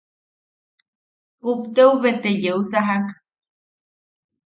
Kupteu bete yeusajak.